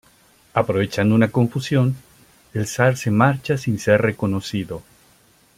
Aprovechando una confusión, el zar se marcha sin ser reconocido.